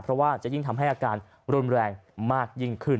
เพราะว่าจะยิ่งทำให้อาการรุนแรงมากยิ่งขึ้น